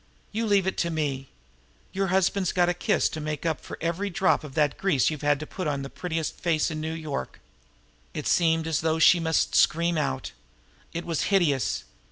You leave it to me! Your husband's got a kiss to make up for every drop of that grease you've had to put on the prettiest face in New York." It seemed as though she must scream out. It was hideous.